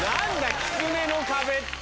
「きつねの壁」って。